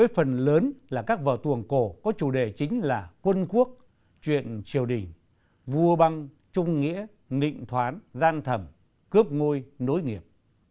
tuồng là các vợ tuồng cổ có chủ đề chính là quân quốc truyện triều đình vua băng trung nghĩa nịnh thoán gian thẩm cướp ngôi nối nghiệp